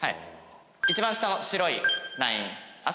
一番下の白いラインあ